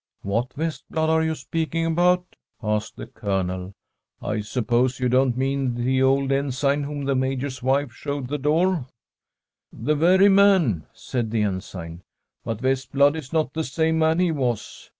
'What Vestblad are you speaking about?' [313I Ffm a SWEDISH HOMESTEAD asked the Colonel. ' I suppose you don't mean the old Ensign whom the Major's wife showed the door?' ' The very man/ said the Ensign. ' But Vest blad is not the same man he was.